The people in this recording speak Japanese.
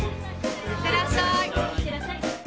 いってらしゃい！